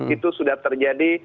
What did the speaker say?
itu sudah terjadi